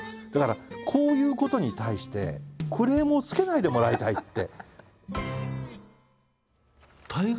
だからこういうことに対してクレームをつけないでもらいたいって。